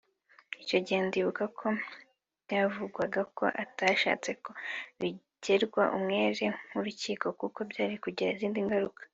icyo gihe ndibuka ko byavugwaga ko atashatse ko yagirwa umwere n’urukiko kuko byari kugira izindi ngaruka